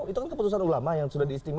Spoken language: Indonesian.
itu kan keputusan ulama yang sudah diistimewa